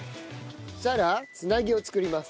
そしたらつなぎを作ります。